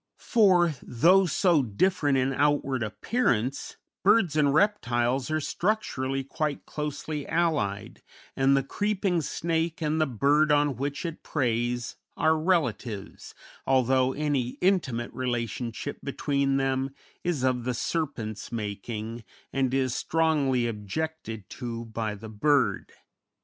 For, though so different in outward appearance, birds and reptiles are structurally quite closely allied, and the creeping snake and the bird on which it preys are relatives, although any intimate relationship between them is of the serpent's making, and is strongly objected to by the bird.